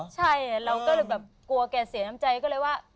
ใช่เราก็เลยแบบกลัวแกเสียน้ำใจก็เลยว่า